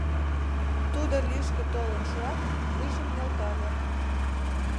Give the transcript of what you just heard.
Тудо лишке толын шуат, вуйжым нӧлтале.